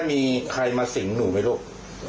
มีใครมาสิงหนูไหมลูก